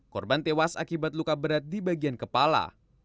korban tewas akibat luka berat di bagian kepala